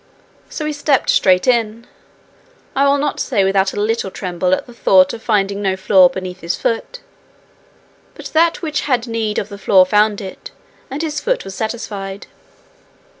So he stepped straight in I will not say without a little tremble at the thought of finding no floor beneath his foot. But that which had need of the floor found it, and his foot was satisfied.